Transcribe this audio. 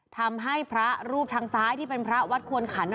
ทำให้พระรูปทางซ้ายที่เป็นพระวัดควรขัน